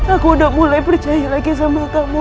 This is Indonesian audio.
aku udah mulai percaya lagi sama kamu